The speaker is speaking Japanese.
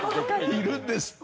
いるんですって！